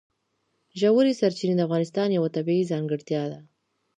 ژورې سرچینې د افغانستان یوه طبیعي ځانګړتیا ده.